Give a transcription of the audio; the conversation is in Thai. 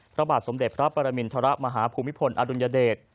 พระบาทสมเด็จพระปรมินทรมาฮภูมิพลอดุลยเดช